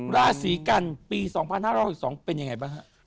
ราศีกันปี๒๕๖๒เป็นยังไงบ้างฮะ